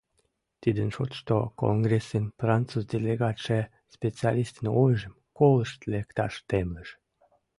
Тидын шотышто конгрессын француз делегатше специалистын ойжым колышт лекташ темлыш.